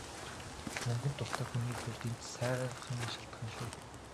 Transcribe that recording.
Мөнгөнд дуртай хүний хувьд энэ чинь сайхан шалтгаан шүү.